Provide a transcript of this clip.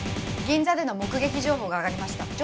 銀座での目撃情報が挙がりました。